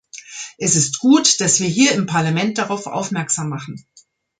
Es ist gut, dass wir hier im Parlament darauf aufmerksam machen.